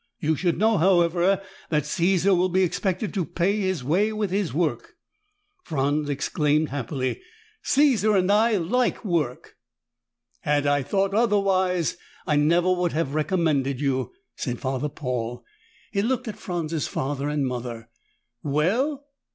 You should know, however, that Caesar will be expected to pay his way with his work." Franz exclaimed happily, "Caesar and I like work!" "Had I thought otherwise, I never would have recommended you," said Father Paul. He looked at Franz's father and mother. "Well?"